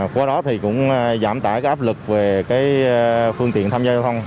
qua đó cũng giảm tải áp lực về phương tiện tham gia giao thông